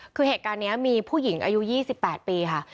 คือเหตุการณ์นี้มีผู้หญิงอายุ๒๘ปีค่ะ